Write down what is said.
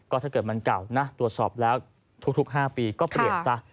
ถ้าเกิดมันเก่านะตรวจสอบแล้วทุก๕ปีก็เปลี่ยนซะ